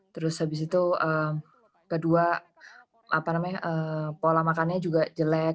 terus habis itu kedua pola makannya juga jelek